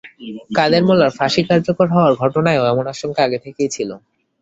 কাদের মোল্লার ফাঁসি কার্যকর হওয়ার ঘটনায়ও এমন আশঙ্কা আগে থেকেই ছিল।